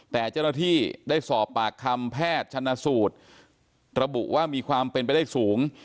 แต่เจ้าหน้าที่ได้สอบปากคำแพทย์ชนะสูตรระบุว่ามีความเป็นไปได้สูง